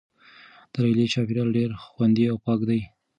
د لیلیې چاپیریال ډیر خوندي او پاک دی.